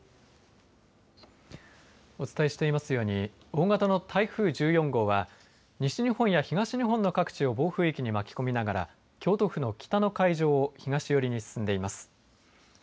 お伝えしていますように大型の台風１４号は西日本や東日本の各地を暴風域に巻き込みながら京都府の北の海上を東寄りに進んでいます。